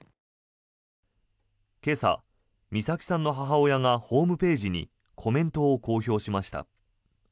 今朝、美咲さんの母親がホームページにコメントを公表しました。